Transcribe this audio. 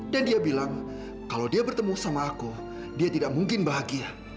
dan dia bilang kalau dia bertemu sama aku dia tidak mungkin bahagia